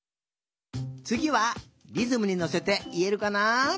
つぎはリズムにのせていえるかな？